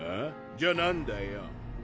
じゃあ何だよ？